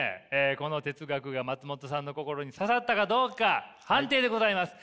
この哲学が松本さんの心に刺さったかどうか判定でございます。